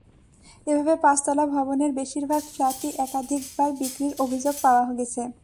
এভাবে পাঁচতলা ভবনের বেশির ভাগ ফ্ল্যাটই একাধিকবার বিক্রির অভিযোগ পাওয়া গেছে।